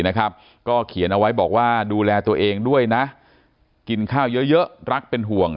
นะครับก็เขียนเอาไว้บอกว่าดูแลตัวเองด้วยนะกินข้าวเยอะรักเป็นห่วง